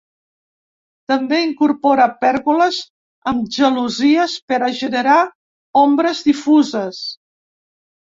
També incorpora pèrgoles amb gelosies per a generar ombres difuses.